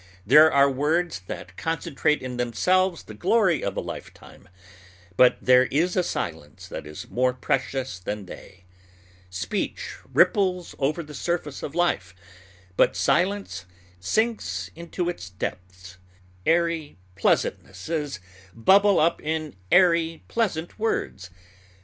There are words that concentrate in themselves the glory of a lifetime; but there is a silence that is more precious than they. Speech ripples over the surface of life, but silence sinks into its depths. Airy pleasantnesses bubble up in airy, pleasant words.